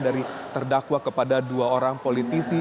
dari terdakwa kepada dua orang politisi